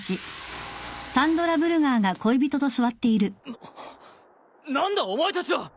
な何だお前たちは！？